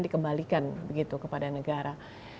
dikembalikan begitu kepada negara